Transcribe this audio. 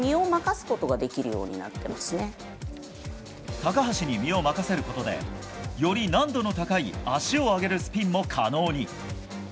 高橋に身を任せることでより難度の高い足を上げるスピンも可能に。